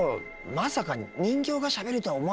まさか人形がしゃべるとは思わないでしょ。